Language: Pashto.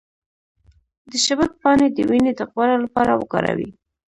د شبت پاڼې د وینې د غوړ لپاره وکاروئ